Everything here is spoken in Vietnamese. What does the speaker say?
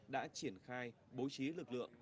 đã triển khai bố trí lực lượng